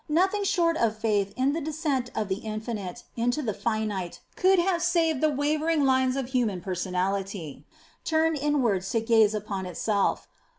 Nothing short of faith in the descent of the Infinite into the finite could have saved the wavering lines of human personality, turned inwards to gaze upon itself.